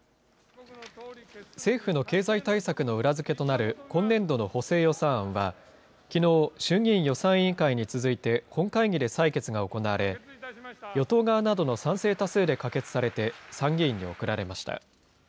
政府の経済対策の裏付けとなる今年度の補正予算案は、きのう、衆議院予算委員会に続いて本会議で採決が行われ、与党側などの賛成多数で可決されて、参議院に送られました。